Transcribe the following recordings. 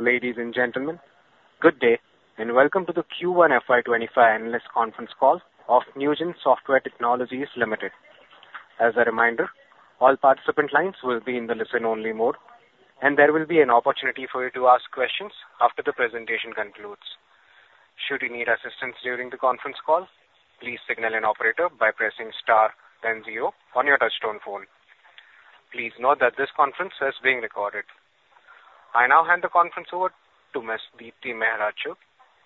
Ladies and gentlemen, good day, and welcome to the Q1 FY25 analyst conference call of Newgen Software Technologies Limited. As a reminder, all participant lines will be in the listen-only mode, and there will be an opportunity for you to ask questions after the presentation concludes. Should you need assistance during the conference call, please signal an operator by pressing star then zero on your touchtone phone. Please note that this conference is being recorded. I now hand the conference over to Ms. Deepti Mehra Chugh.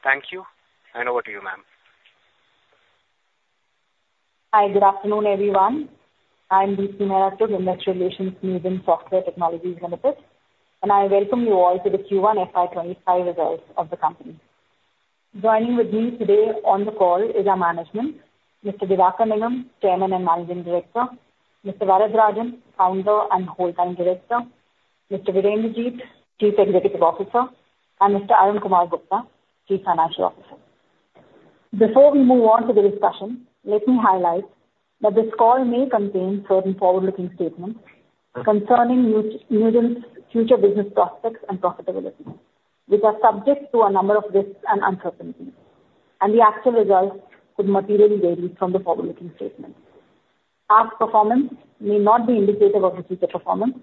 Thank you, and over to you, ma'am. Hi, good afternoon, everyone. I'm Deepti Mehra Chugh, investor relations, Newgen Software Technologies Limited, and I welcome you all to the Q1 FY 25 results of the company. Joining with me today on the call is our management, Mr. Diwakar Nigam, Chairman and Managing Director, Mr. T. S. Varadarajan, Founder and Whole-time Director, Mr. Virender Jeet, Chief Executive Officer, and Mr. Arun Kumar Gupta, Chief Financial Officer. Before we move on to the discussion, let me highlight that this call may contain certain forward-looking statements concerning Newgen's future business prospects and profitability, which are subject to a number of risks and uncertainties, and the actual results could materially vary from the forward-looking statements. Past performance may not be indicative of the future performance.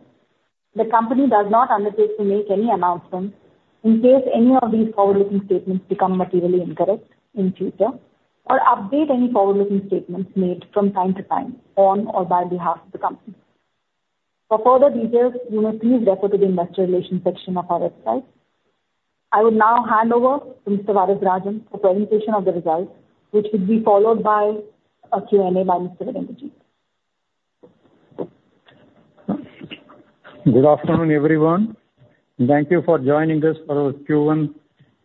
The company does not undertake to make any announcements in case any of these forward-looking statements become materially incorrect in future or update any forward-looking statements made from time to time on or by behalf of the company. For further details, you may please refer to the investor relations section of our website. I would now hand over to Mr. T.S. Varadarajan for presentation of the results, which will be followed by a Q&A by Mr. Virender Jeet. Good afternoon, everyone, and thank you for joining us for our Q1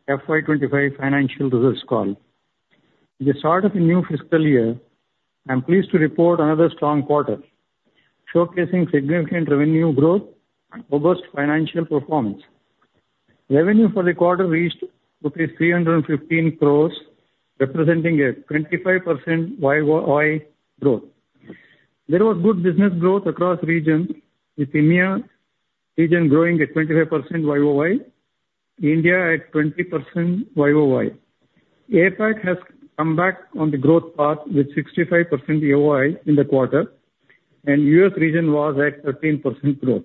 FY 2025 financial results call. At the start of the new fiscal year, I'm pleased to report another strong quarter, showcasing significant revenue growth and robust financial performance. Revenue for the quarter reached 315 crores, representing a 25% Y-O-Y growth. There was good business growth across regions, with EMEA region growing at 25% Y-O-Y, India at 20% Y-O-Y. APAC has come back on the growth path with 65% Y-O-Y in the quarter, and US region was at 13% growth.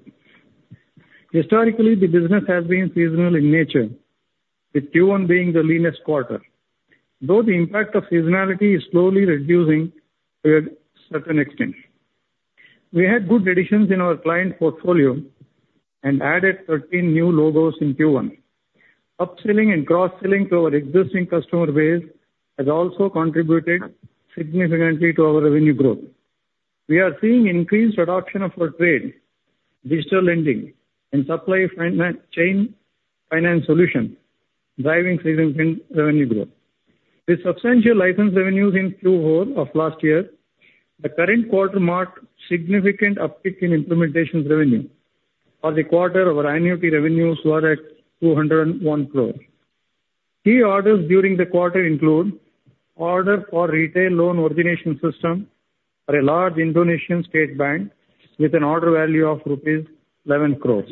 Historically, the business has been seasonal in nature, with Q1 being the leanest quarter, though the impact of seasonality is slowly reducing to a certain extent. We had good additions in our client portfolio and added 13 new logos in Q1. Up-selling and cross-selling to our existing customer base has also contributed significantly to our revenue growth. We are seeing increased adoption of our trade finance, digital lending, and supply chain finance solution, driving significant revenue growth. With substantial license revenues in Q4 of last year, the current quarter marked significant uptick in implementations revenue. For the quarter, our annuity revenues were at 201 crores. Key orders during the quarter include order for retail loan origination system for a large Indonesian state bank with an order value of rupees 11 crores.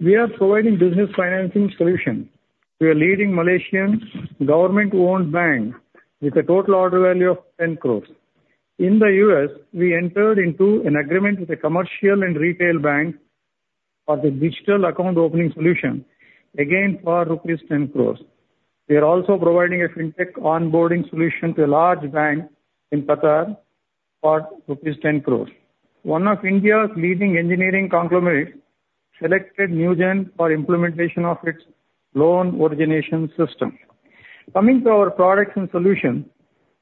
We are providing business financing solution to a leading Malaysian government-owned bank with a total order value of 10 crores. In the U.S., we entered into an agreement with a commercial and retail bank for the digital account opening solution, again, for rupees 10 crores. We are also providing a fintech onboarding solution to a large bank in Qatar for rupees 10 crore. One of India's leading engineering conglomerates selected Newgen for implementation of its loan origination system. Coming to our products and solutions,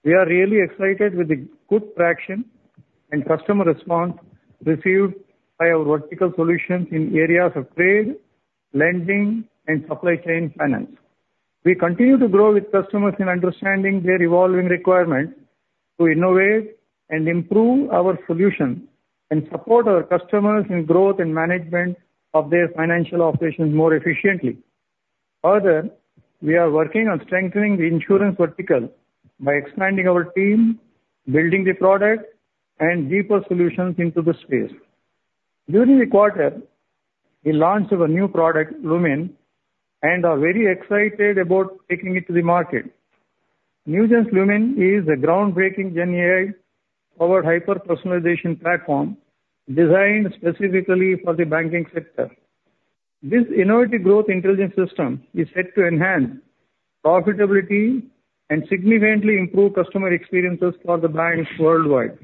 we are really excited with the good traction and customer response received by our vertical solutions in areas of trade, lending, and supply chain finance. We continue to grow with customers in understanding their evolving requirements to innovate and improve our solutions and support our customers in growth and management of their financial operations more efficiently. Further, we are working on strengthening the insurance vertical by expanding our team, building the product and deeper solutions into the space. During the quarter, we launched our new product, LumYn, and are very excited about taking it to the market. Newgen's LumYn is a groundbreaking GenAI-powered hyper-personalization platform designed specifically for the banking sector. This innovative growth intelligence system is set to enhance profitability and significantly improve customer experiences for the banks worldwide.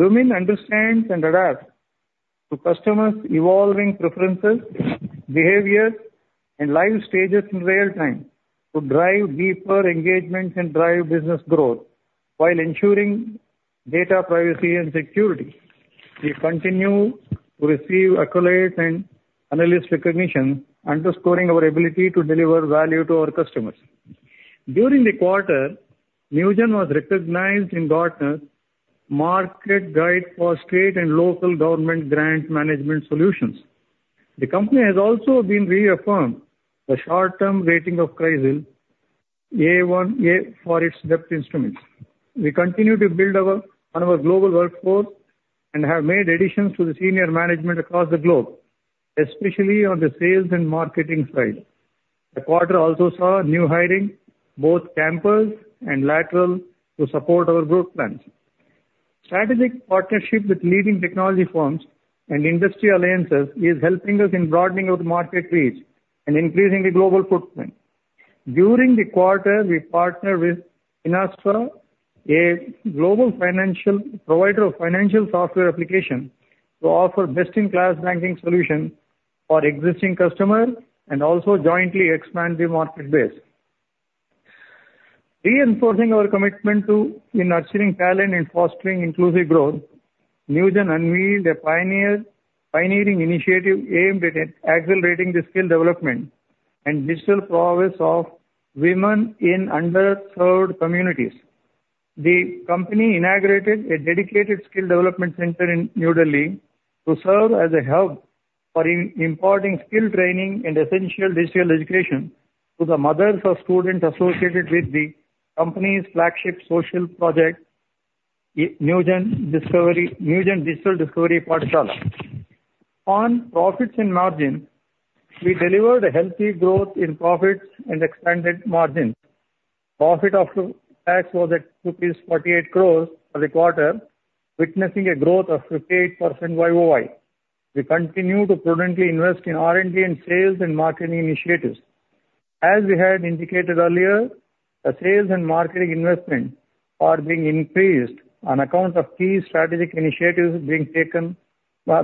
LumYn understands and adapts to customers' evolving preferences, behaviors, and life stages in real time to drive deeper engagement and drive business growth while ensuring data privacy and security. We continue to receive accolades and analyst recognition, underscoring our ability to deliver value to our customers. During the quarter, Newgen was recognized in Gartner's Market Guide for State and Local Government Grant Management Solutions. The company has also been reaffirmed a short-term rating of CRISIL A1+ for its debt instruments. We continue to build on our global workforce and have made additions to the senior management across the globe, especially on the sales and marketing side. The quarter also saw new hiring, both campus and lateral, to support our growth plans. Strategic partnership with leading technology firms and industry alliances is helping us in broadening our market reach and increasing the global footprint. During the quarter, we partnered with Finastra, a global provider of financial software applications, to offer best-in-class banking solution for existing customers and also jointly expand the market base. Reinforcing our commitment to nurturing talent and fostering inclusive growth, Newgen unveiled a pioneering initiative aimed at accelerating the skill development and digital progress of women in underserved communities. The company inaugurated a dedicated skill development center in New Delhi to serve as a hub for imparting skill training and essential digital education to the mothers of students associated with the company's flagship social project, Newgen Digital Discovery Paathshala. On profits and margins, we delivered a healthy growth in profits and expanded margins. Profit after tax was at rupees 48 crore for the quarter, witnessing a growth of 58% YOY. We continue to prudently invest in R&D and sales and marketing initiatives. As we had indicated earlier, the sales and marketing investment are being increased on account of key strategic initiatives being taken,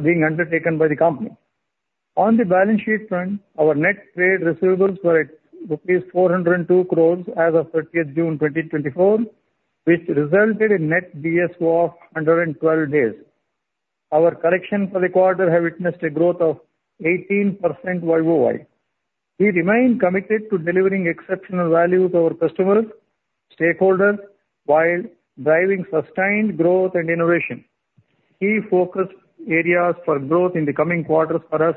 being undertaken by the company. On the balance sheet front, our net trade receivables were at rupees 402 crore as of 30th June 2024, which resulted in net DSO of 112 days. Our collection for the quarter have witnessed a growth of 18% YOY. We remain committed to delivering exceptional value to our customers, stakeholders, while driving sustained growth and innovation. Key focus areas for growth in the coming quarters for us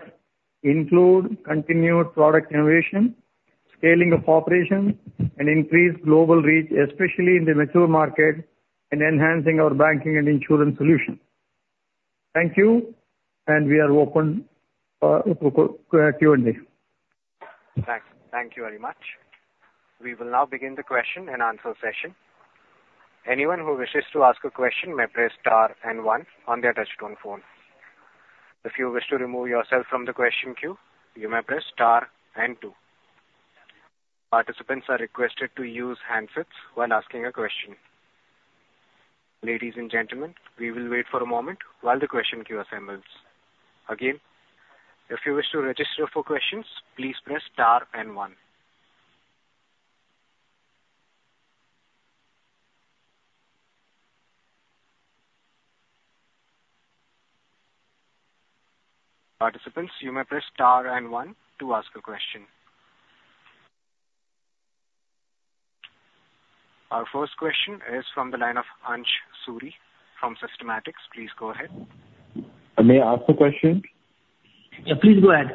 include continued product innovation, scaling of operations, and increased global reach, especially in the mature market, and enhancing our banking and insurance solutions. Thank you, and we are open for Q&A. Thanks. Thank you very much. We will now begin the question and answer session. Anyone who wishes to ask a question may press star and one on their touchtone phone. If you wish to remove yourself from the question queue, you may press star and two. Participants are requested to use handsets when asking a question. Ladies and gentlemen, we will wait for a moment while the question queue assembles. Again, if you wish to register for questions, please press star and one. Participants, you may press star and one to ask a question. Our first question is from the line of Anshul Suri from Systematix. Please go ahead. May I ask the question? Yeah, please go ahead.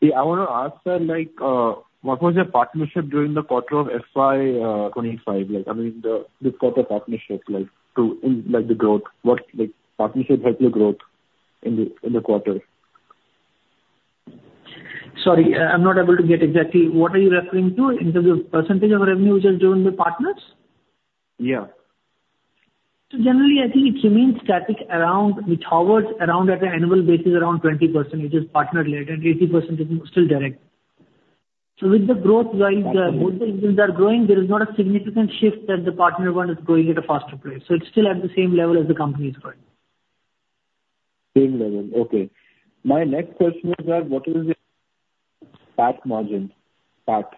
Yeah, I want to ask, sir, like, what was your partnership during the quarter of FY 25? Like, I mean, the, this quarter partnership, like, to, in, like, the growth. What, like, partnership helped your growth in the, in the quarter? Sorry, I'm not able to get exactly. What are you referring to, in terms of percentage of revenue which is done with partners? Yeah. So generally, I think it remains static around, it hovers around at an annual basis, around 20%, which is partner-related, and 80% is still direct. So with the growth-wise, Okay. Both the business are growing, there is not a significant shift that the partner one is growing at a faster pace. So it's still at the same level as the company is growing. Same level. Okay. My next question is that, what is the PAT margin? PAT.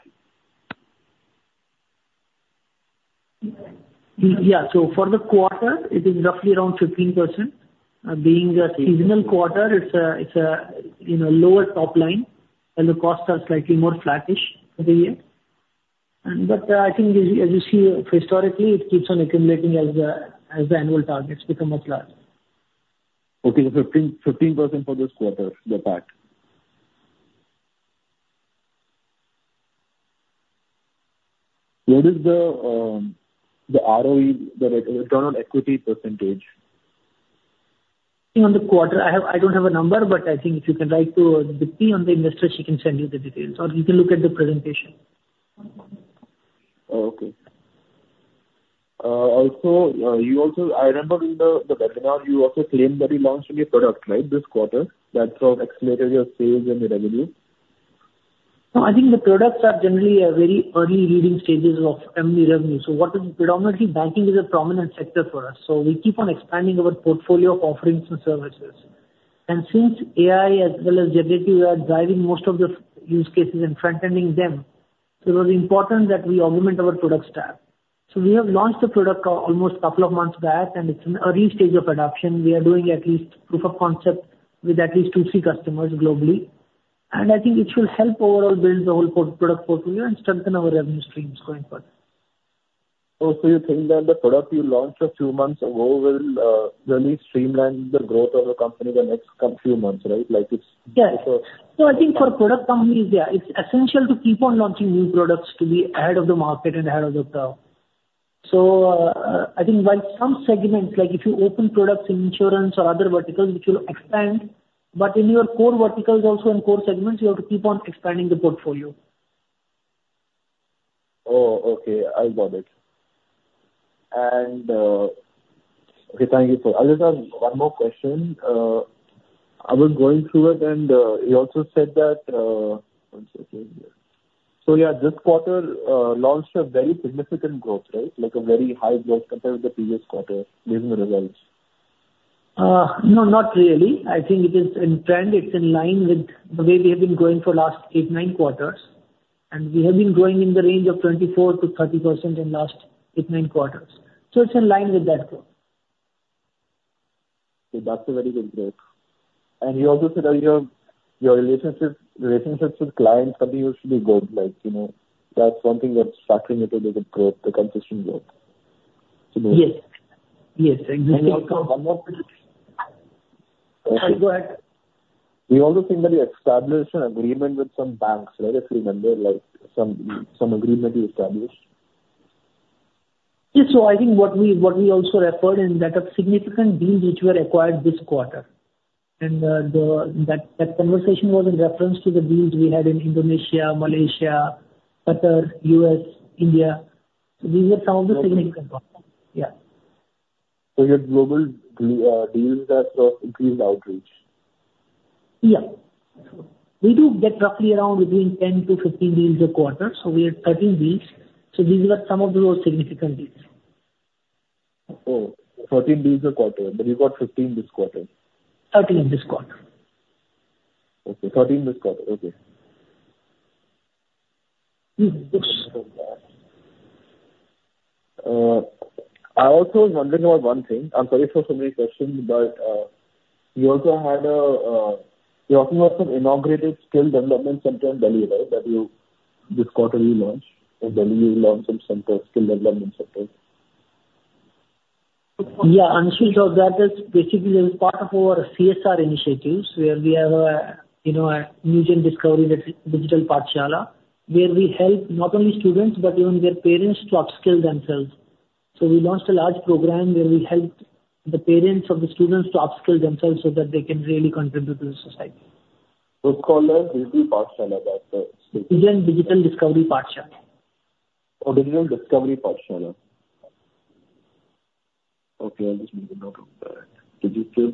Yeah. So for the quarter, it is roughly around 15%. Being a seasonal quarter, it's a, it's a, you know, lower top line, and the costs are slightly more flattish over the year. But, I think as you, as you see historically, it keeps on accumulating as the, as the annual targets become much larger. Okay, so 15, 15% for this quarter, the PAT. What is the, the ROE, the return on equity percentage? I think on the quarter, I don't have a number, but I think if you can write to Deepti on the investors, she can send you the details, or you can look at the presentation. Oh, okay. Also, you also, I remember in the webinar, you also claimed that you launched a new product, right, this quarter, that's what accelerated your sales and the revenue? No, I think the products are generally very early leading stages of any revenue. Predominantly, banking is a prominent sector for us, so we keep on expanding our portfolio of offerings and services. Since AI as well as generative are driving most of the use cases and front-ending them, it was important that we augment our product stack. So we have launched the product almost a couple of months back, and it's in early stage of adoption. We are doing at least proof of concept with at least 2, 3 customers globally. And I think it should help overall build the whole product portfolio and strengthen our revenue streams going forward.... Oh, so you think that the product you launched a few months ago will really streamline the growth of the company the next coming few months, right? Like it's- Yes. So I think for product companies, yeah, it's essential to keep on launching new products to be ahead of the market and ahead of the curve. So, I think while some segments, like if you open products in insurance or other verticals, which will expand, but in your core verticals also, in core segments, you have to keep on expanding the portfolio. Oh, okay. I got it. And, okay, thank you for that. One more question. I was going through it, and, you also said that, one second here. So yeah, this quarter launched a very significant growth, right? Like a very high growth compared to the previous quarter, given the results. No, not really. I think it is in trend. It's in line with the way we have been growing for last 8, 9 quarters, and we have been growing in the range of 24%-30% in last 8, 9 quarters. So it's in line with that growth. Okay. That's a very good growth. And you also said, your relationships with clients continue to be good, like, you know, that's something that's starting to do the growth, the consistent growth. Yes. Yes, exactly. Also one more question. Sorry, go ahead. We also think that you established an agreement with some banks, right? If you remember, like, some agreement you established. Yes. So I think what we also referred in that a significant deals which were acquired this quarter, and the conversation was in reference to the deals we had in Indonesia, Malaysia, Qatar, U.S., India. These were some of the significant ones. Yeah. So your global deals are for increased outreach? Yeah. We do get roughly around between 10-15 deals a quarter, so we had 13 deals, so these were some of those significant deals. Oh, 14 deals a quarter, but you got 15 this quarter? 13 this quarter. Okay, 13 this quarter. Okay. Mm, yes. I also was wondering about one thing. I'm sorry for so many questions, but, you also had a, you're talking about some inaugural skill development center in Delhi, right? That you, this quarter you launched in Delhi, you launched some center, skill development center. Yeah, Anshul, so that is basically as part of our CSR initiatives, where we have a, you know, Newgen Digital Discovery Paathshala, where we help not only students but even their parents to upskill themselves. So we launched a large program where we helped the parents of the students to upskill themselves so that they can really contribute to the society. It's called a Digital Paathshala, that's the- Newgen Digital Discovery Paathshala. Oh, Digital Discovery Paathshala. Okay, I'll just make a note of that. Digital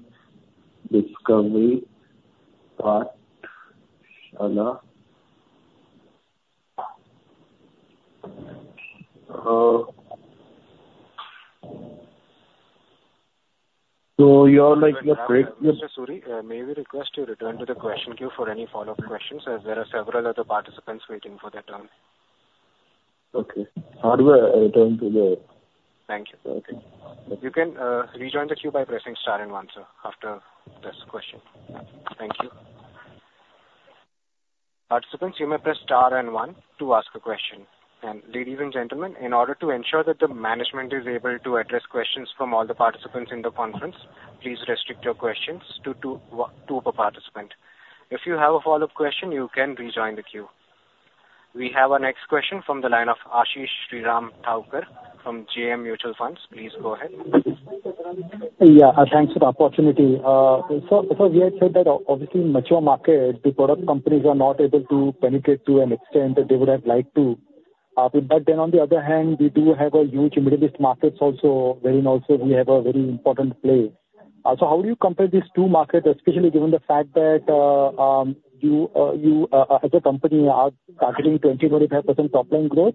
Discovery Paathshala. So you're like your break- Mr. Suri, may we request you return to the question queue for any follow-up questions, as there are several other participants waiting for their turn? Okay. I will return to the- Thank you. Okay. You can rejoin the queue by pressing star and one, sir, after this question. Thank you. Participants, you may press star and one to ask a question. Ladies and gentlemen, in order to ensure that the management is able to address questions from all the participants in the conference, please restrict your questions to two, one, two per participant. If you have a follow-up question, you can rejoin the queue. We have our next question from the line of Ashish Thavkar from JM Financial. Please go ahead. Yeah, thanks for the opportunity. So, we had said that obviously in mature market, the product companies are not able to penetrate to an extent that they would have liked to, but then on the other hand, we do have a huge Middle East markets also, wherein also we have a very important play. So how do you compare these two markets, especially given the fact that, you, as a company are targeting 20-25% top line growth,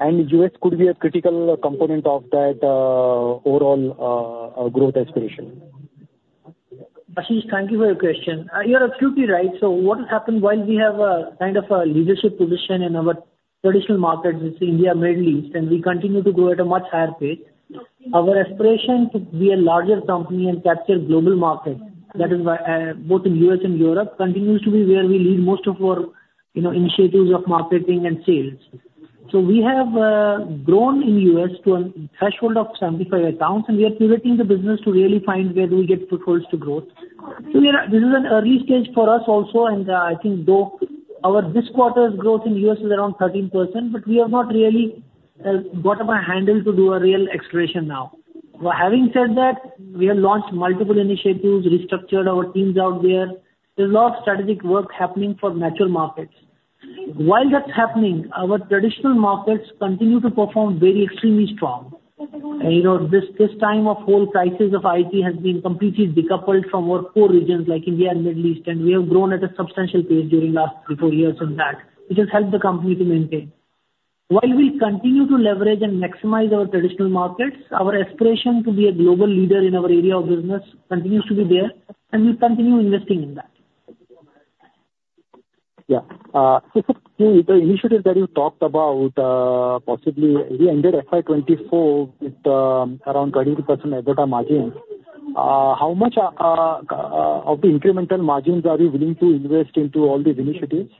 and US could be a critical component of that, overall, growth aspiration? Ashish, thank you for your question. You are absolutely right. So what has happened, while we have a kind of a leadership position in our traditional markets with India, Middle East, and we continue to grow at a much higher pace, our aspiration to be a larger company and capture global market, that is why, both in U.S. and Europe, continues to be where we lead most of our, you know, initiatives of marketing and sales. So we have grown in U.S. to a threshold of 75 accounts, and we are pivoting the business to really find where do we get footholds to growth. So yeah, this is an early stage for us also, and, I think though our this quarter's growth in U.S. is around 13%, but we have not really got a handle to do a real acceleration now. But having said that, we have launched multiple initiatives, restructured our teams out there. There's a lot of strategic work happening for mature markets. While that's happening, our traditional markets continue to perform very extremely strong. You know, this time of whole crisis of IT has been completely decoupled from our core regions like India and Middle East, and we have grown at a substantial pace during last four years on that, which has helped the company to maintain. While we continue to leverage and maximize our traditional markets, our aspiration to be a global leader in our area of business continues to be there, and we continue investing in that. Yeah. So the initiatives that you talked about, possibly we ended FY 2024 with around 22% EBITDA margins. How much of the incremental margins are you willing to invest into all these initiatives?...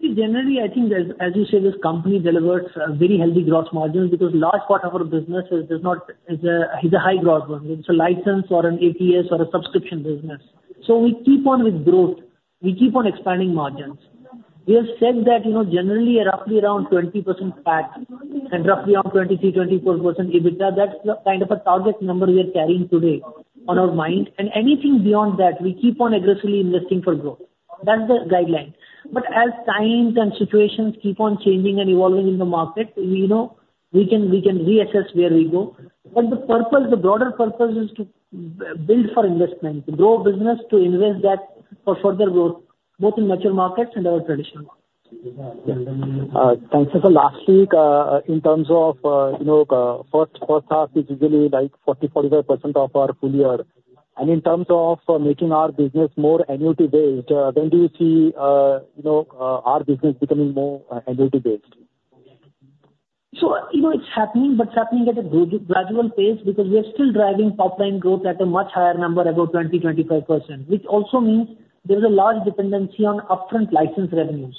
Generally, I think as, as you say, this company delivers very healthy growth margins because large part of our business is a high growth one. It's a license or an ATS or a subscription business. So we keep on with growth, we keep on expanding margins. We have said that, you know, generally, roughly around 20% PAT and roughly around 23%-24% EBITDA, that's the kind of a target number we are carrying today on our mind. And anything beyond that, we keep on aggressively investing for growth. That's the guideline. But as times and situations keep on changing and evolving in the market, you know, we can reassess where we go. But the purpose, the broader purpose is to build for investment, to grow business, to invest that for further growth, both in mature markets and our traditional markets. Thanks. So lastly, in terms of, you know, first, first half is usually like 40, 45% of our full year. And in terms of making our business more annuity-based, when do you see, you know, our business becoming more, annuity-based? So, you know, it's happening, but it's happening at a gradual pace because we are still driving top-line growth at a much higher number, about 20-25%, which also means there's a large dependency on upfront license revenues.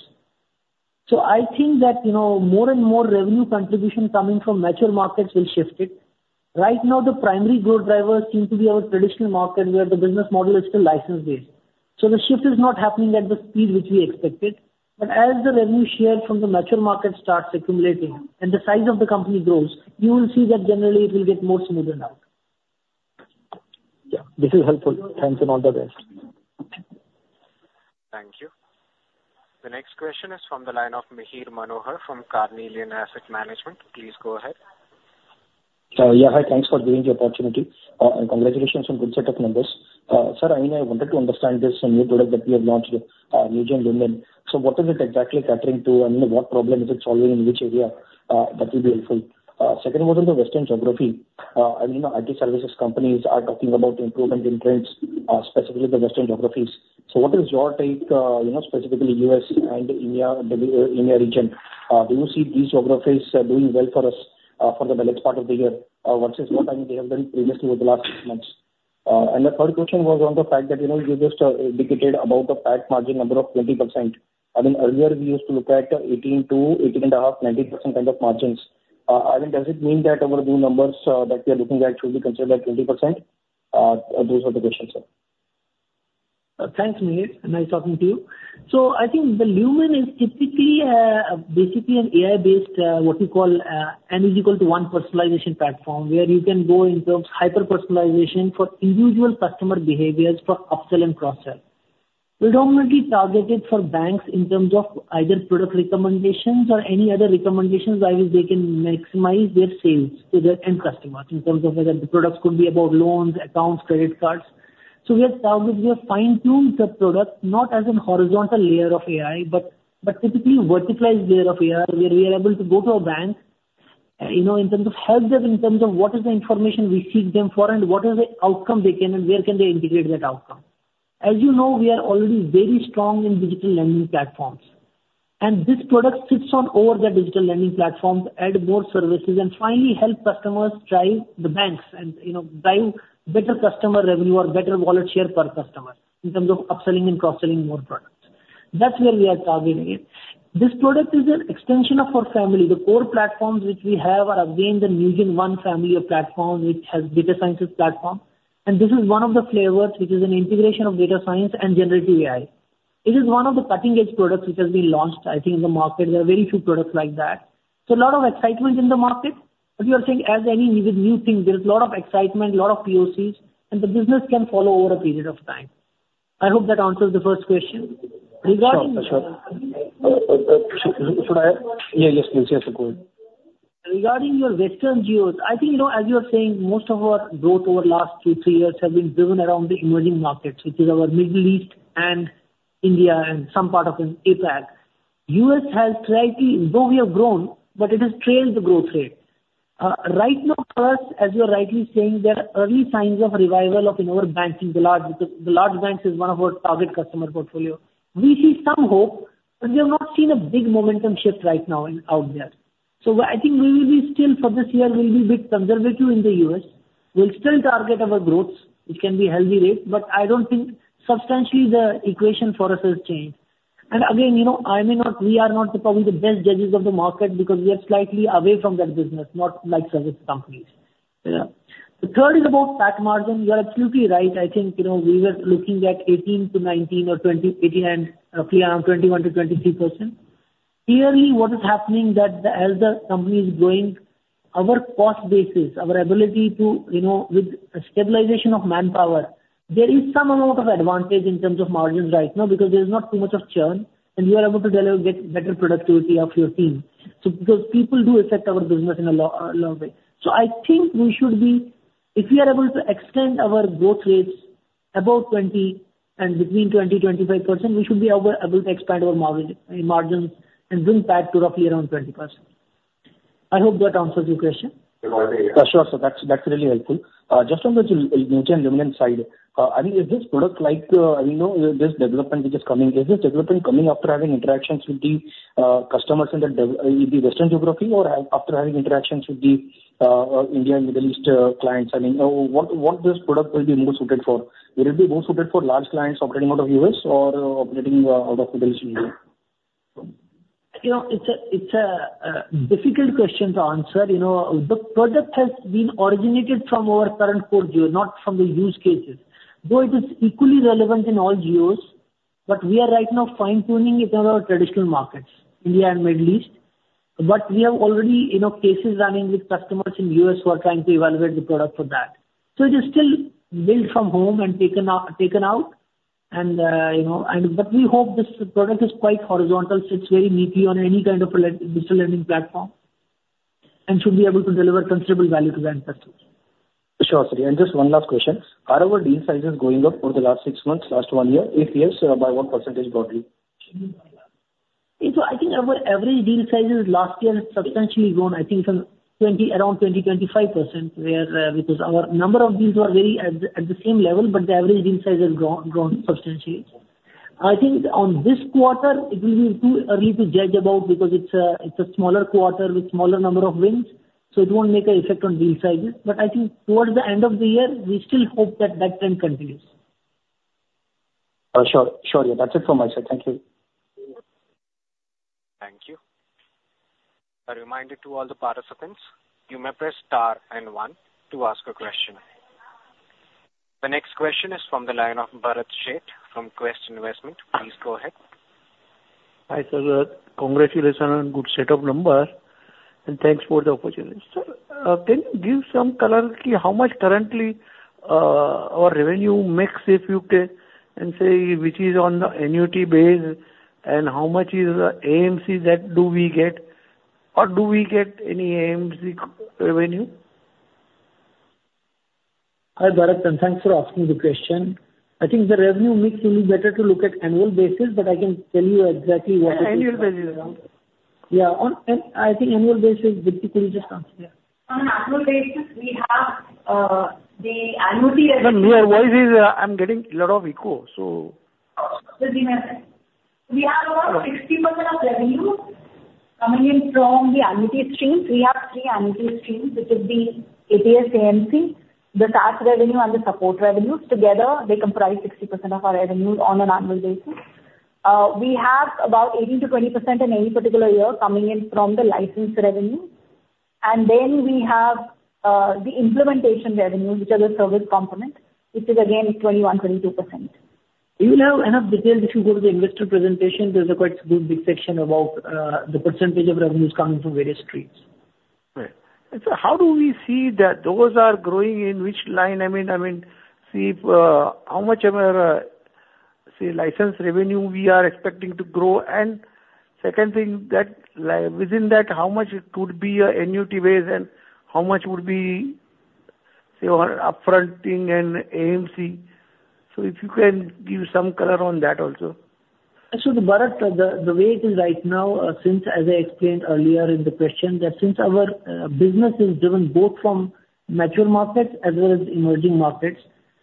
So I think that, you know, more and more revenue contribution coming from mature markets will shift it. Right now, the primary growth driver seem to be our traditional market, where the business model is still license-based. So the shift is not happening at the speed which we expected. But as the revenue share from the mature market starts accumulating and the size of the company grows, you will see that generally it will get more smoother now. Yeah, this is helpful. Thanks, and all the best. Thank you. The next question is from the line of Mihir Manohar from Carnelian Asset Management. Please go ahead. Yeah, hi, thanks for giving the opportunity, and congratulations on good set of numbers. Sir, I wanted to understand this new product that we have launched, Newgen LumYn. So what is it exactly catering to, and what problem is it solving, and which area? That will be helpful. Second, about the Western geography, and, you know, IT services companies are talking about improvement in trends, specifically the Western geographies. So what is your take, you know, specifically US and India region? Do you see these geographies doing well for us, for the next part of the year, versus what they have done previously over the last six months? And the third question was on the fact that, you know, you just indicated about the PAT margin number of 20%. I mean, earlier, we used to look at 18-18.5, 19% kind of margins. I mean, does it mean that our new numbers, that we are looking at should be considered at 20%? Those are the questions, sir. Thanks, Mihir. Nice talking to you. So I think the LumYn is typically, basically an AI-based, what you call, NewgenONE personalization platform, where you can go in terms hyper-personalization for individual customer behaviors for up-sell and cross-sell. Predominantly targeted for banks in terms of either product recommendations or any other recommendations by which they can maximize their sales to their end customers, in terms of whether the products could be about loans, accounts, credit cards. So we have targeted, we have fine-tuned the product not as a horizontal layer of AI, but, but typically verticalized layer of AI, where we are able to go to a bank, you know, in terms of help them, in terms of what is the information we seek them for and what is the outcome they can and where can they integrate that outcome. As you know, we are already very strong in digital lending platforms, and this product sits on all the digital lending platforms, add more services and finally help customers drive the banks and, you know, drive better customer revenue or better wallet share per customer in terms of up-selling and cross-selling more products. That's where we are targeting it. This product is an extension of our family. The core platforms which we have are again, the NewgenONE family of platforms, which has data sciences platform. And this is one of the flavors, which is an integration of data science and generative AI. It is one of the cutting-edge products which has been launched, I think, in the market. There are very few products like that. So a lot of excitement in the market, but we are saying as any new thing, there is a lot of excitement, a lot of POCs, and the business can follow over a period of time. I hope that answers the first question. Regarding- Sure, sure. Should I? Yeah, yes, please. Yes, go on. Regarding your Western geos, I think, you know, as you are saying, most of our growth over the last 2-3 years have been driven around the emerging markets, which is our Middle East and India and some part of APAC. U.S. has slightly... Though we have grown, but it has trailed the growth rate. Right now, first, as you are rightly saying, there are early signs of revival of another banking, the large, because the large banks is one of our target customer portfolio. We see some hope, but we have not seen a big momentum shift right now in- out there. So I think we will be still, for this year, we'll be bit conservative in the U.S. We'll still target our growths, which can be healthy rates, but I don't think substantially the equation for us has changed. And again, you know, I may not, we are not the, probably the best judges of the market because we are slightly away from that business, not like service companies, yeah. The third is about PAT margin. You are absolutely right. I think, you know, we were looking at 18-19% or 20%, 18% and roughly around 21%-23%. Clearly, what is happening that the, as the company is growing, our cost basis, our ability to, you know, with stabilization of manpower, there is some amount of advantage in terms of margins right now because there's not too much of churn, and we are able to deliver, get better productivity of your team. So because people do affect our business in a lot of way. So I think we should be... If we are able to extend our growth rates above 20% and between 20-25%, we should be able to expand our margins and bring PAT to roughly around 20%. I hope that answers your question. Sure, sir. That's, that's really helpful. Just on the Newgen LumYn side, I mean, is this product like, you know, this development which is coming, is this development coming after having interactions with the customers in the Western geography, or after having interactions with the India and Middle East clients? I mean, what, what this product will be more suited for? Will it be more suited for large clients operating out of US or operating out of Middle East and India? You know, it's a difficult question to answer. You know, the product has been originated from our current core geo, not from the use cases, though it is equally relevant in all geos. But we are right now fine-tuning it in our traditional markets, India and Middle East. But we have already, you know, cases running with customers in U.S. who are trying to evaluate the product for that. So it is still built from home and taken out, you know, but we hope this product is quite horizontal, so it's very neatly on any kind of a lending digital lending platform and should be able to deliver considerable value to the end customers. Sure, Sir. Just one last question: Are our deal sizes going up over the last six months, last one year, if yes, by what percentage broadly? So I think our average deal sizes last year has substantially grown, I think from 20, around 20, 25%, where, because our number of deals were very at the same level, but the average deal size has grown substantially. I think on this quarter it will be too early to judge about because it's a smaller quarter with smaller number of wins, so it won't make an effect on deal sizes. But I think towards the end of the year, we still hope that that trend continues. Sure. Sure, yeah. That's it from my side. Thank you. Thank you. A reminder to all the participants, you may press star and 1 to ask a question. The next question is from the line of Bharat Sheth from Quest Investment. Please go ahead. Hi, sir. Congratulations on good set of numbers, and thanks for the opportunity. Sir, can you give some color how much currently, our revenue mix, if you can, and say which is on the annuity base, and how much is the AMCs that do we get, or do we get any AMC revenue? Hi, Bharat, and thanks for asking the question. I think the revenue mix will be better to look at annual basis, but I can tell you exactly what it is. Annual basis. Yeah. On, I think annual basis with you can just answer, yeah. On annual basis, we have the annuity revenue- No, why is it I'm getting a lot of echo? So... We have about 60% of revenue coming in from the annuity streams. We have 3 annuity streams, which is the ATS AMC, the SaaS revenue, and the support revenues. Together, they comprise 60% of our revenue on an annual basis. We have about 18%-20% in any particular year coming in from the license revenue. And then we have, the implementation revenue, which are the service component, which is again, 21%-22%. You will have enough details if you go to the investor presentation. There's a quite good big section about the percentage of revenues coming from various streams. Right. And so how do we see that those are growing, in which line? I mean, I mean, see, how much of our, say, license revenue we are expecting to grow? And second thing, that, within that, how much it could be a annuity base, and how much would be, say, our upfronting and AMC? So if you can give some color on that also. So, Bharat, the way it is right now, since as I explained earlier in the question, that since our business is driven both from mature markets as well as emerging markets,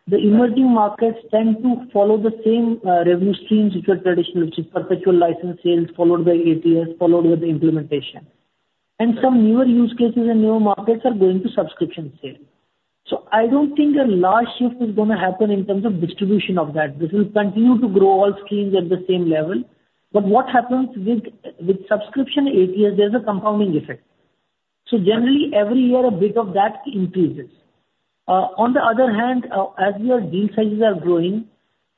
the emerging markets tend to follow the same revenue streams which are traditional, which is perpetual license sales, followed by ATS, followed with the implementation. And some newer use cases and newer markets are going to subscription sales. So I don't think a large shift is gonna happen in terms of distribution of that. This will continue to grow all streams at the same level. But what happens with subscription ATS, there's a compounding effect. So generally, every year, a bit of that increases. On the other hand, as our deal sizes are growing,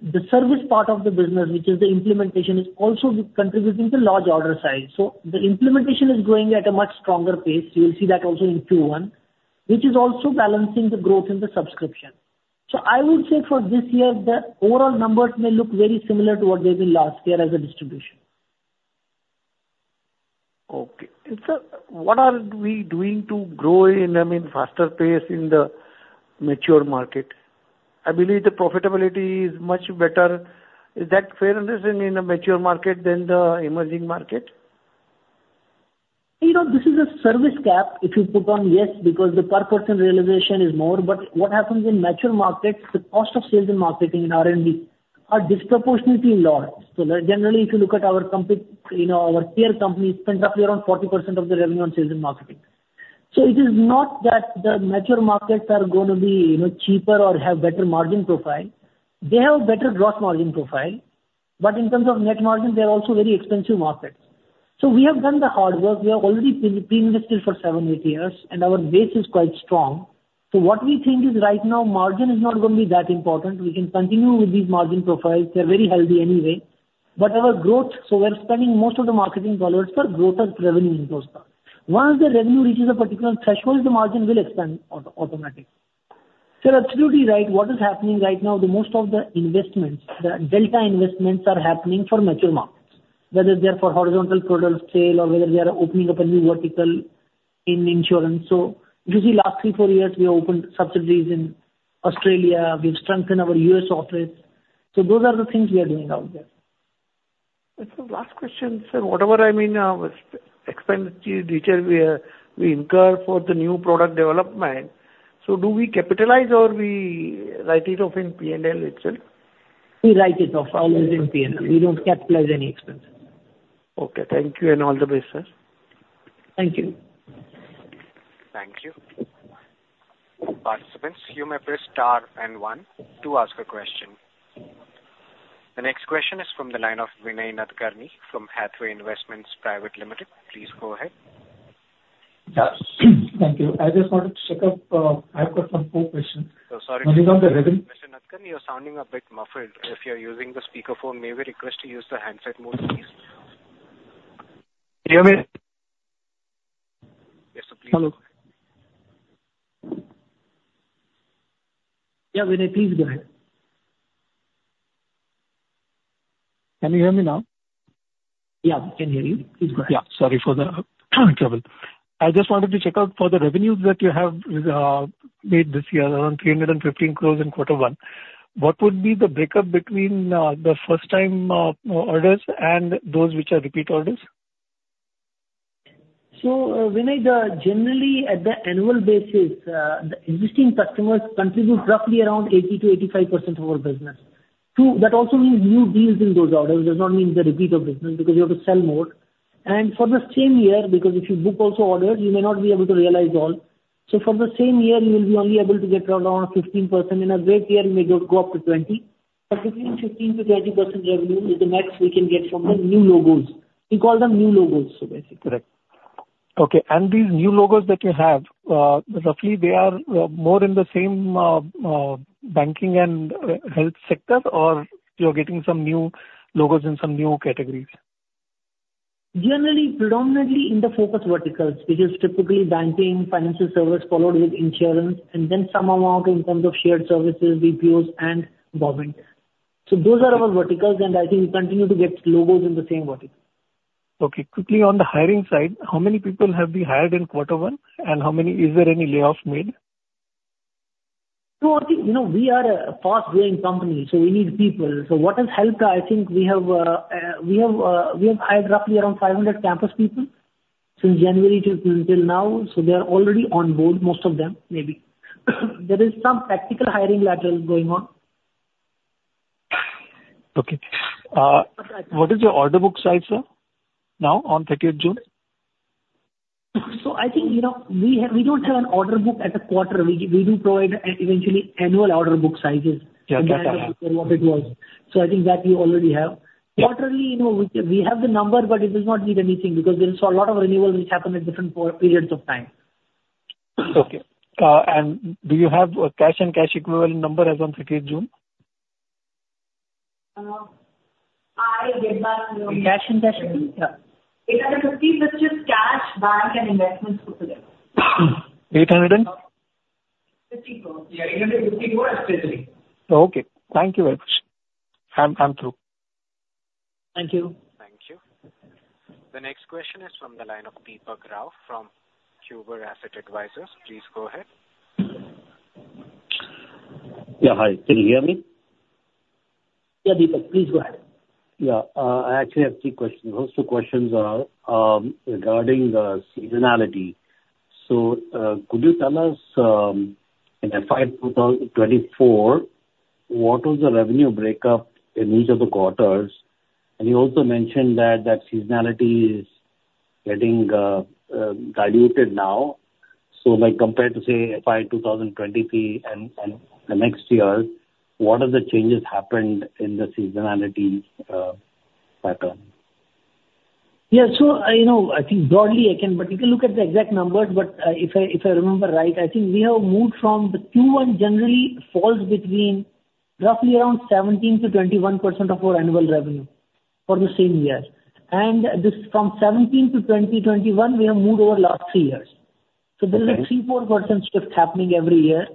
the service part of the business, which is the implementation, is also contributing to large order size. So the implementation is growing at a much stronger pace. You'll see that also in Q1, which is also balancing the growth in the subscription. So I would say for this year, the overall numbers may look very similar to what they were last year as a distribution. Okay. Sir, what are we doing to grow in, I mean, faster pace in the mature market? I believe the profitability is much better. Is that fair understanding in a mature market than the emerging market? You know, this is a service gap. If you put on, yes, because the per person realization is more. But what happens in mature markets, the cost of sales and marketing in R&D are disproportionately large. So there, generally, if you look at our company, you know, our peer company spends roughly around 40% of the revenue on sales and marketing. So it is not that the mature markets are going to be, you know, cheaper or have better margin profile. They have a better gross margin profile, but in terms of net margin, they're also very expensive markets. So we have done the hard work. We have already been, been invested for 7-8 years, and our base is quite strong. So what we think is right now, margin is not going to be that important. We can continue with these margin profiles. They're very healthy anyway. But our growth, so we're spending most of the marketing dollars for growth of revenue in those parts. Once the revenue reaches a particular threshold, the margin will expand automatically. You're absolutely right. What is happening right now, the most of the investments, the delta investments are happening for mature markets, whether they're for horizontal product sale or whether they are opening up a new vertical in insurance. So you see, last 3, 4 years, we have opened subsidiaries in Australia, we've strengthened our U.S. office. So those are the things we are doing out there. Last question, sir. Whatever, I mean, expense detail we incur for the new product development, so do we capitalize or write it off in P&L itself? We write it off always in P&L. We don't capitalize any expenses. Okay, thank you, and all the best, sir. Thank you.... You may press star and one to ask a question. The next question is from the line of Vinay Nadkarni from Hathway Investments Private Limited. Please go ahead. Yeah. Thank you. I just wanted to check up, I've got some four questions. Uh, sorry- One is on the revenue. Mr. Nadkarni, you're sounding a bit muffled. If you're using the speaker phone, may we request to use the handset mode, please? Can you hear me? Yes, sir, please. Hello. Yeah, Vinay, please go ahead. Can you hear me now? Yeah, we can hear you. Please go ahead. Yeah, sorry for the trouble. I just wanted to check out for the revenues that you have made this year, around 315 crores in quarter one. What would be the breakup between the first time orders and those which are repeat orders? So, Vinay, generally, at the annual basis, the existing customers contribute roughly around 80%-85% of our business. Two, that also means new deals in those orders does not mean the repeat of business, because you have to sell more. And for the same year, because if you book also orders, you may not be able to realize all. So for the same year, you will be only able to get around 15%. In a great year, you may go up to 20%. But between 15%-20% revenue is the max we can get from the new logos. We call them new logos, so basically. Correct. Okay, and these new logos that you have, roughly they are more in the same banking and health sector, or you're getting some new logos in some new categories? Generally, predominantly in the focus verticals, which is typically banking, financial service, followed with insurance, and then some amount in terms of shared services, BPOs and government. So those are our verticals, and I think we continue to get logos in the same verticals. Okay, quickly on the hiring side, how many people have been hired in quarter one, and how many... Is there any layoffs made? No, I think, you know, we are a fast-growing company, so we need people. So what has helped, I think we have hired roughly around 500 campus people since January till until now, so they are already on board, most of them, maybe. There is some practical hiring laterals going on. Okay. Uh- Sorry. What is your order book size, sir, now, on thirtieth June? So I think, you know, we have, we don't have an order book at a quarter. We do provide eventually annual order book sizes- Yeah, okay. what it was. So I think that you already have. Yeah. Quarterly, you know, we, we have the number, but it does not mean anything because there's a lot of renewals which happen at different periods of time. Okay. Do you have a cash and cash equivalent number as on thirtieth June? Uh, I in the- Cash and cash, yeah. INR 850, which is cash, bank, and investments put together. 800 and? INR 50 crore. Yeah, INR 850 crore approximately. Okay, thank you very much. I'm, I'm through. Thank you. Thank you. The next question is from the line of Deepak Rao from Kuber Asset Advisors. Please go ahead. Yeah, hi. Can you hear me? Yeah, Deepak, please go ahead. Yeah. I actually have three questions. First two questions are regarding the seasonality. So, could you tell us in FY 2024, what was the revenue breakup in each of the quarters? And you also mentioned that the seasonality is getting diluted now. So like, compared to, say, FY 2023 and the next year, what are the changes happened in the seasonality pattern? Yeah. So, you know, I think broadly I can, but you can look at the exact numbers. But, if I remember right, I think we have moved from the Q1 generally falls between roughly around 17%-21% of our annual revenue for the same year. And this, from 17 to 21, we have moved over last three years. Okay. There is a 3-4% shift happening every year.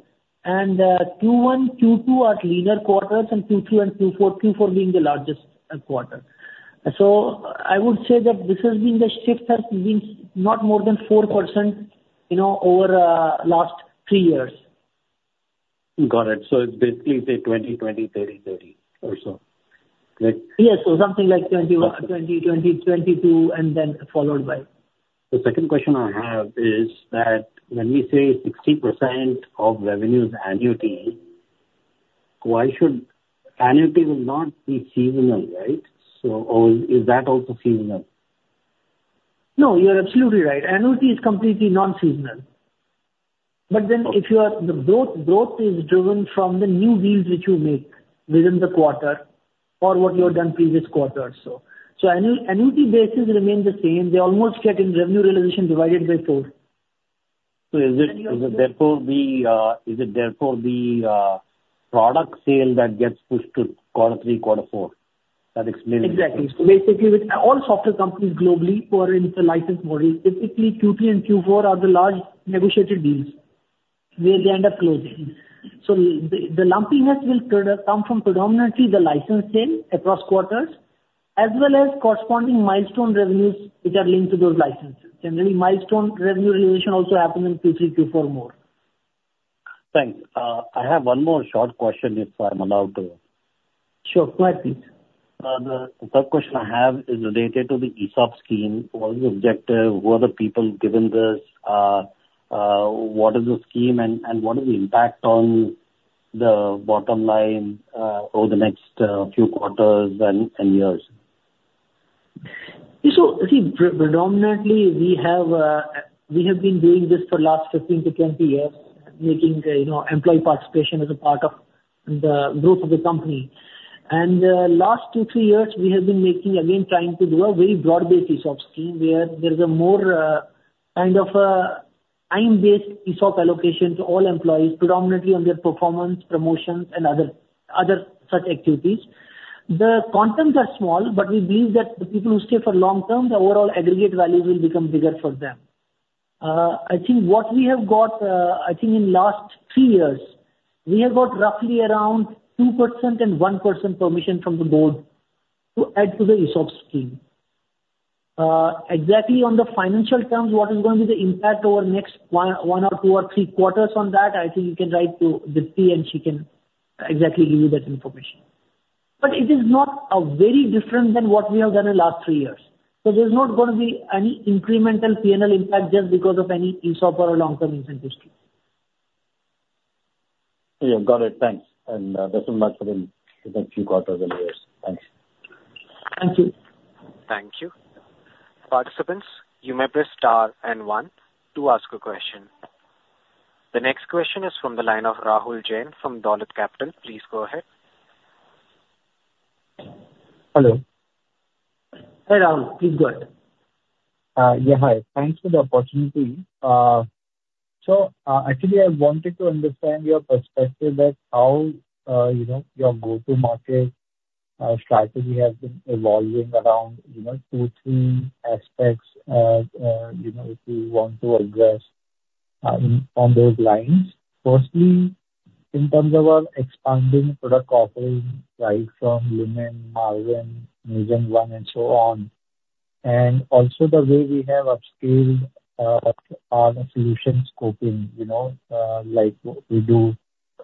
Q1, Q2 are leaner quarters, and Q3 and Q4, Q4 being the largest quarter. So I would say that this has been the shift has been not more than 4%, you know, over last 3 years. Got it. So it's basically say 20, 20, 30, 30, or so. Like- Yes. So something like 21, 20, 20, 22, and then followed by. The second question I have is that when we say 60% of revenue is annuity, why should... Annuity will not be seasonal, right? So, or is that also seasonal? No, you are absolutely right. Annuity is completely non-seasonal. But then if you are, the growth, growth is driven from the new deals which you make within the quarter or what you have done previous quarters. So, annuity basis remain the same. They almost get in revenue realization divided by four. So is it therefore the product sale that gets pushed to quarter three, quarter four? That explains it. Exactly. So basically, with all software companies globally, who are in the license model, typically Q3 and Q4 are the large negotiated deals, where they end up closing. So the lumpiness will kind of come from predominantly the license sale across quarters, as well as corresponding milestone revenues which are linked to those licenses. And then the milestone revenue realization also happens in Q3, Q4 more. Thanks. I have one more short question, if I'm allowed to. Sure, go ahead, please. The third question I have is related to the ESOP scheme. What is the objective? Who are the people given this? What is the scheme and what is the impact on the bottom line over the next few quarters and years? ... Yeah, so see, predominantly, we have been doing this for last 15 to 20 years, making, you know, employee participation as a part of the growth of the company. And last 2, 3 years, we have been making, again, trying to do a very broad-based ESOP scheme, where there is a more, kind of, time-based ESOP allocation to all employees, predominantly on their performance, promotions, and other, other such activities. The contents are small, but we believe that the people who stay for long term, the overall aggregate values will become bigger for them. I think what we have got, I think in last 3 years, we have got roughly around 2% and 1% permission from the board to add to the ESOP scheme. Exactly on the financial terms, what is going to be the impact over next 1, 1 or 2 or 3 quarters on that? I think you can write to Deepti, and she can exactly give you that information. But it is not very different than what we have done in last 3 years. So there's not gonna be any incremental PNL impact just because of any ESOP or long-term incentive scheme. Yeah, got it. Thanks, and best of luck for the, in the few quarters and years. Thanks. Thank you. Thank you. Participants, you may press star and one to ask a question. The next question is from the line of Rahul Jain from Dolat Capital. Please go ahead. Hello? Hi, Rahul, please go ahead. Yeah, hi. Thanks for the opportunity. So, actually, I wanted to understand your perspective about how, you know, your go-to-market strategy has been evolving around, you know, two, three aspects, you know, if you want to address on those lines. Firstly, in terms of expanding product offering, right, from LumYn, Marvin, NewgenONE, and so on. And also the way we have upscaled our solution scoping, you know, like we do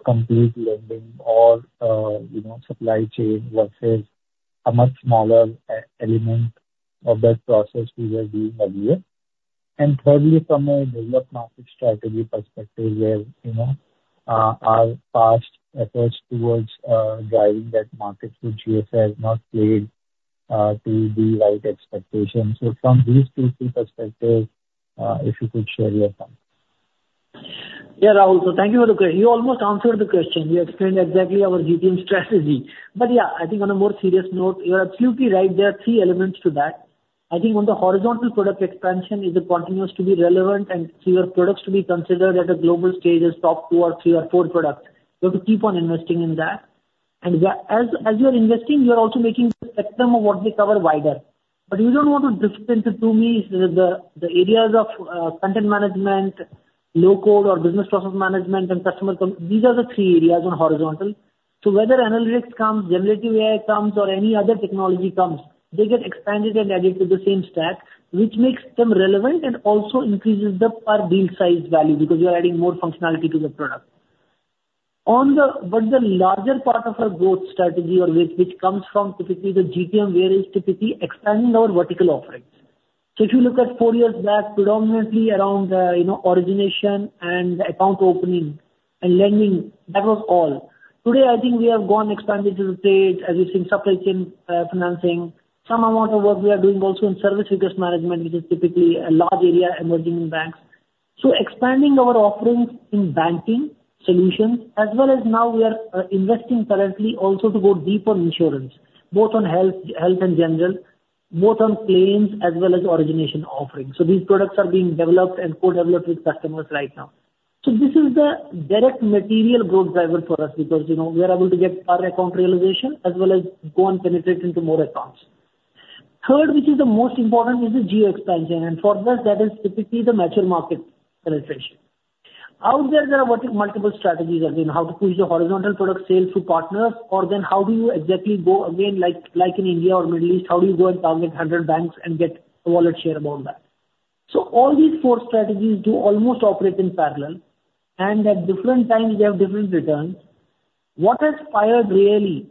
complete lending or, you know, supply chain versus a much smaller element of that process we were doing earlier. And thirdly, from a developed market strategy perspective, where, you know, our past approach towards driving that market with GSIs has not played to the right expectations. So from these two, three perspectives, if you could share your thoughts. Yeah, Rahul. So thank you for the question. You almost answered the question. You explained exactly our GTM strategy. But yeah, I think on a more serious note, you are absolutely right. There are three elements to that. I think on the horizontal product expansion, it continues to be relevant, and for your products to be considered at a global scale as top 2 or 3 or 4 products, you have to keep on investing in that. And yeah, as you are investing, you are also making the spectrum of what we cover wider. But we don't want to distinguish the two means. The areas of content management, low code or business process management and customer service, these are the three areas on horizontal. So whether analytics comes, generative AI comes, or any other technology comes, they get expanded and added to the same stack, which makes them relevant and also increases the per deal size value, because you are adding more functionality to the product. But the larger part of our growth strategy or which, which comes from typically the GTM, where is typically expanding our vertical offerings. So if you look at four years back, predominantly around, you know, origination and account opening and lending, that was all. Today, I think we have gone expanded to the stage as you see in supply chain financing. Some amount of work we are doing also in service request management, which is typically a large area emerging in banks. So expanding our offerings in banking solutions as well as now we are investing currently also to go deep on insurance, both on health and general, both on claims as well as origination offerings. So these products are being developed and co-developed with customers right now. So this is the direct material growth driver for us, because, you know, we are able to get our account realization as well as go and penetrate into more accounts. Third, which is the most important, is the geo expansion, and for us, that is typically the mature market penetration. Out there, there are multiple strategies, again, how to push the horizontal product sales through partners, or then how do you exactly go again, like in India or Middle East, how do you go and target 100 banks and get wallet share on that? So all these four strategies do almost operate in parallel, and at different times, they have different returns. What has fired really,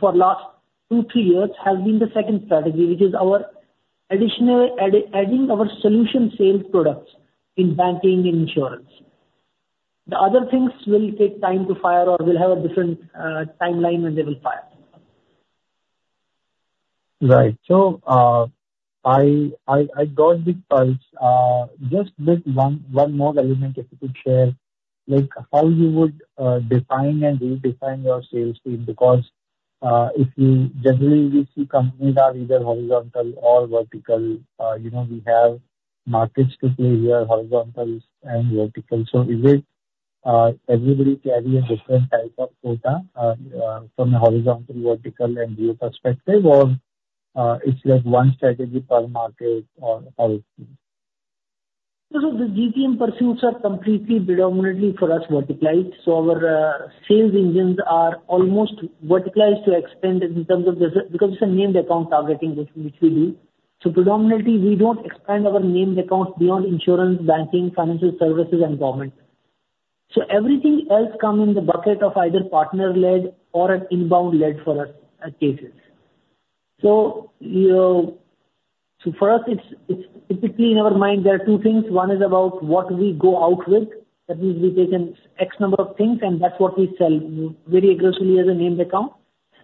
for last two, three years, has been the second strategy, which is our additional adding our solution sales products in banking and insurance. The other things will take time to fire or will have a different timeline when they will fire. Right. So, I got the pulse. Just with one more element, if you could share, like, how you would define and redefine your sales team, because, if you... Generally, we see companies are either horizontal or vertical. You know, we have markets to play here, horizontals and verticals. So is it, everybody carry a different type of quota, from a horizontal, vertical, and geo perspective, or, it's like one strategy per market, or how is it? So the GTM pursuits are completely predominantly for us, verticalized. So our sales engines are almost verticalized to expand in terms of this, because it's a named account targeting which we do. So predominantly, we don't expand our named accounts beyond insurance, banking, financial services, and government. So everything else come in the bucket of either partner-led or an inbound-led for us, cases. So, you know, so for us, it's typically in our mind, there are two things. One is about what we go out with. That means we take an X number of things, and that's what we sell very aggressively as a named account....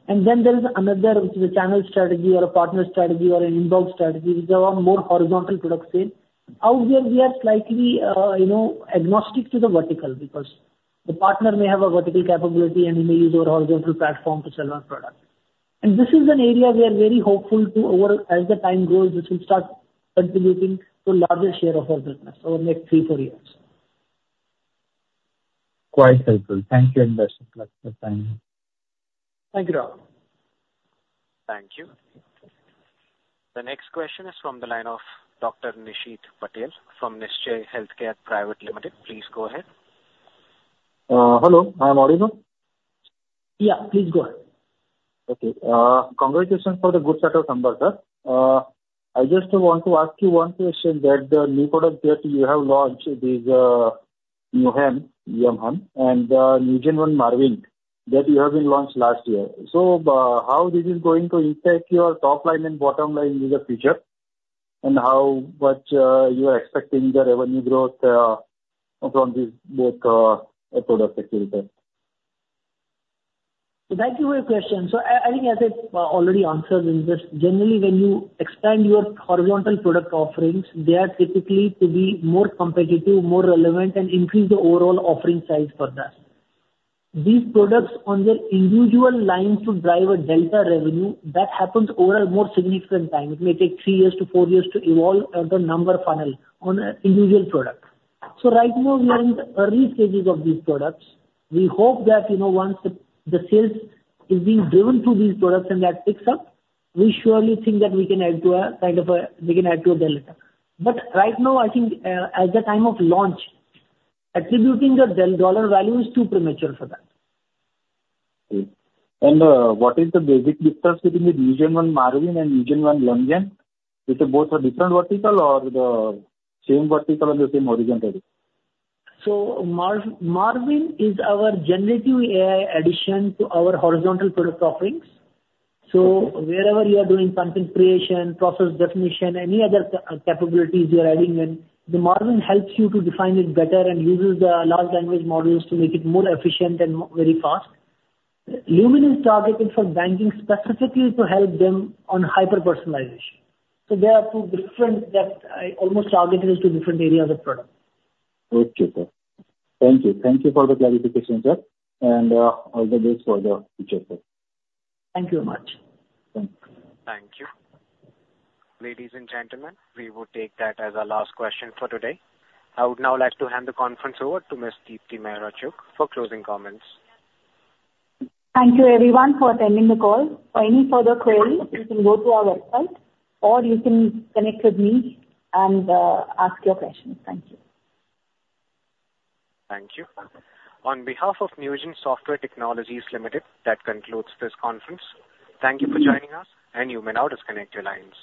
And then there is another, which is a channel strategy or a partner strategy or an inbound strategy, which are on more horizontal product sales. Out there, we are slightly, you know, agnostic to the vertical, because the partner may have a vertical capability, and he may use our horizontal platform to sell our product. And this is an area we are very hopeful to over, as the time goes, this will start contributing to a larger share of our business over the next 3-4 years. Quite helpful. Thank you, and best of luck for time. Thank you, Rahul. Thank you. The next question is from the line of Dr. Nishit Patel from Nischay Healthcare Private Limited. Please go ahead. Hello, I'm audible? Yeah, please go ahead. Okay. Congratulations for the good set of numbers, sir. I just want to ask you one question, that the new product that you have launched is Newgen, Newgen, and NewgenONE Marvin, that you have been launched last year. So, how this is going to impact your top line and bottom line in the future, and how much you are expecting the revenue growth from this, both product activity? Thank you for your question. So I, I think as I already answered, in this, generally, when you expand your horizontal product offerings, they are typically to be more competitive, more relevant, and increase the overall offering size for that. These products on their individual lines to drive a delta revenue, that happens over a more significant time. It may take three years to four years to evolve the number funnel on a individual product. So right now, we are in the early stages of these products. We hope that, you know, once the sales is being driven through these products and that picks up, we surely think that we can add to a kind of a, we can add to a delta. But right now, I think, at the time of launch, attributing the delta-dollar value is too premature for that. Okay. What is the basic difference between the NewgenONE Marvin and NewgenONE LumYn? Is it both are different vertical or the same vertical and the same horizontal? So, Marvin is our generative AI addition to our horizontal product offerings. So wherever you are doing content creation, process definition, any other capabilities you are adding in, the Marvin helps you to define it better and uses the large language models to make it more efficient and very fast. LumYn is targeted for banking, specifically to help them on hyper-personalization. So they are two different that, almost targeted to different areas of product. Okay, sir. Thank you. Thank you for the clarification, sir, and all the best for the future, sir. Thank you very much. Thanks. Thank you. Ladies and gentlemen, we will take that as our last question for today. I would now like to hand the conference over to Ms. Deepti Mehra Chugh for closing comments. Thank you everyone for attending the call. For any further queries, you can go to our website, or you can connect with me and ask your questions. Thank you. Thank you. On behalf of Newgen Software Technologies Limited, that concludes this conference. Thank you for joining us, and you may now disconnect your lines.